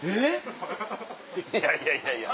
いやいやいやいや。